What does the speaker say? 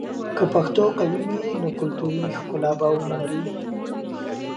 که پښتو قوي وي، نو کلتوري ښکلا به ونه مري.